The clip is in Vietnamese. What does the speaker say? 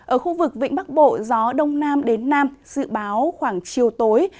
ở khu vực vĩnh bắc bộ gió đông nam đến nam dự báo khoảng chiều tối